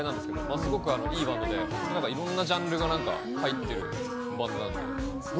すごくいいバンドで、いろんなジャンルが入ってる。